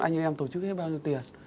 anh em tổ chức hết bao nhiêu tiền